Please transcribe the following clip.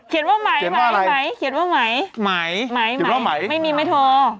เขียนว่าไหมเขียนว่าไหมไม่มีไมโท